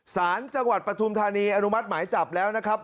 สารจังหวัดปฐุมธานีอนุมัติหมายจับแล้วนะครับ